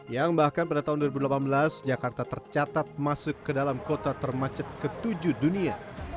yang bahkan pada tahun dua ribu delapan belas jakarta tercatat masuk ke dalam kota termacet ketujuh dunia